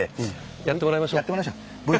やってもらいましょう。